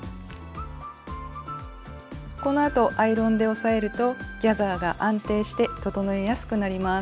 このあとアイロンで押さえるとギャザーが安定して整えやすくなります。